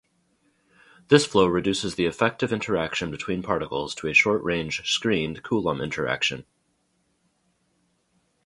This flow reduces the "effective" interaction between particles to a short-range "screened" Coulomb interaction.